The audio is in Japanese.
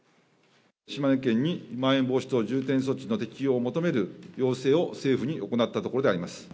島根県にまん延防止等重点措置の適用を求める要請を政府に行ったところであります。